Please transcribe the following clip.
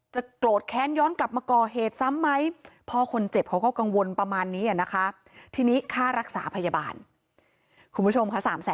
จะโกรธแค้นย้อนกลับมาก่อเหตุซ้ำไหม